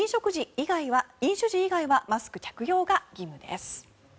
飲酒時以外はマスク着用が義務です。